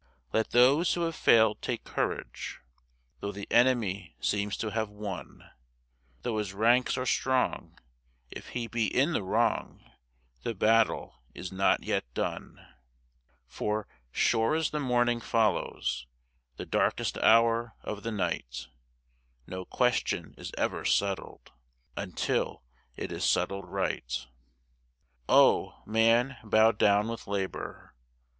Let those who have failed take courage; Though the enemy seems to have won, Though his ranks are strong, if he be in the wrong The battle is not yet done; For, sure as the morning follows The darkest hour of the night, No question is ever settled Until it is settled right. O man bowed down with labour!